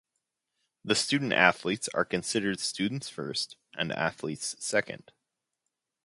The student-athletes are considered students first, and athletes second.